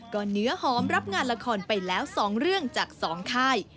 ก็เนื้อหอมรับงานละครไปแล้ว๒เรื่องจาก๒ค่าย